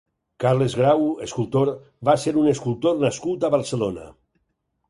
Carles Grau (escultor) va ser un escultor nascut a Barcelona.